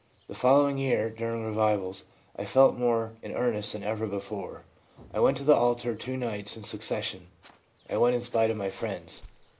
The following year, during revivals, I felt more in earnest than ever before. I went to the altar two nights in succession ; I went in spite of my friends.